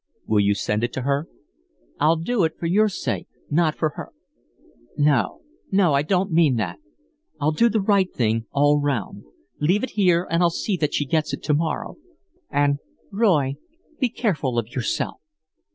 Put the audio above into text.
Will you send it to her?" "I'll do it for your sake, not for her no, no; I don't mean that. I'll do the right thing all round. Leave it here and I'll see that she gets it to morrow. And Roy be careful of yourself."